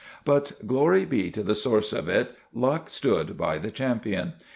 But, glory be to the source of it, luck stood by the champion.